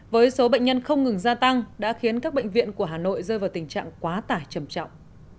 với số bệnh nhân không ngừng gia tăng đã khiến các bệnh viện của hà nội rơi vào tình trạng quá tải trầm trọng